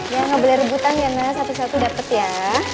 ya nggak boleh rebutan ya mas satu satu dapat ya